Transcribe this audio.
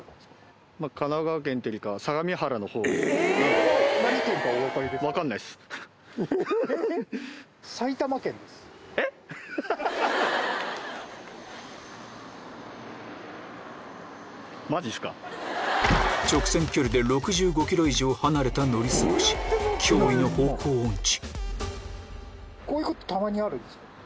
そして彼は直線距離で６５ｋｍ以上離れた乗り過ごし驚異の方向音痴